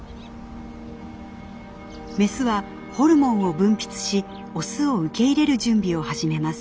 メスはホルモンを分泌しオスを受け入れる準備を始めます。